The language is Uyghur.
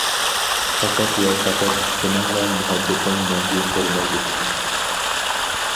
پەقەت ۋە پەقەت سېنىڭلا مۇھەببىتىڭ مەڭگۈ خورىمايدۇ.